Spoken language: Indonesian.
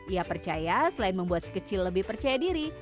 ia percaya selain membuat sekecil lebih percaya diri